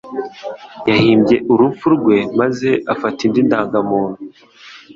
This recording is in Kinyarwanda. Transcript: Yahimbye urupfu rwe maze afata indi ndangamuntu